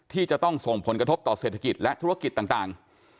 ที่จะต้องส่งผลกระทบต่อเศรษฐกิจและธุรกิจต่าง